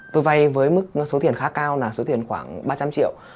tôi vay với mức số tiền khá cao là số tiền khoảng ba trăm linh triệu